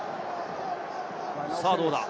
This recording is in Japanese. さあ、どうだ？